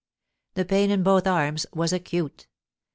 The pain in both arms was acute.